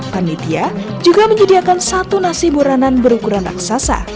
panitia juga menyediakan satu nasi buranan berukuran raksasa